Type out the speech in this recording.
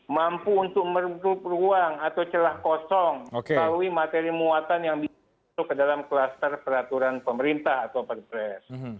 mampu untuk meredup ruang atau celah kosong melalui materi muatan yang bisa masuk ke dalam kluster peraturan pemerintah atau perpres